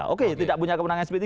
oke tidak punya kemenangan sp tiga